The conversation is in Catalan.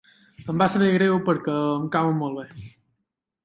Em va saber greu perquè em cauen molt bé.